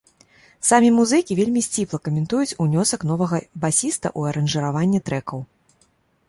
Самі музыкі вельмі сціпла каментуюць унёсак новага басіста ў аранжыраванне трэкаў.